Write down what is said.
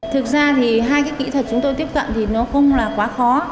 thực ra thì hai cái kỹ thuật chúng tôi tiếp cận thì nó không là quá khó